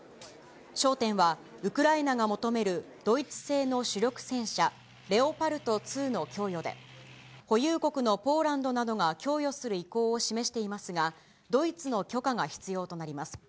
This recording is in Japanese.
焦点は、ウクライナが求めるドイツ製の主力戦車、レオパルト２の供与で、保有国のポーランドなどが供与する意向を示していますが、ドイツの許可が必要となります。